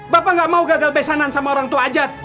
bapak gak mau gagal pesanan sama orang tua ajat